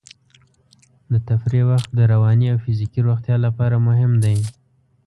د تفریح وخت د رواني او فزیکي روغتیا لپاره مهم دی.